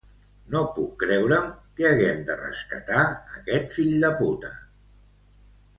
No puc creure'm que haguem de rescatar aquest fill de puta.